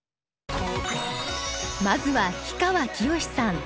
まずは氷川きよしさん。